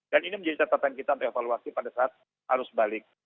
dan ini menjadi tetapan kita untuk evaluasi pada saat harus balik